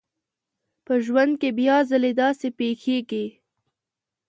په ژوند کې بيا ځلې داسې پېښېږي.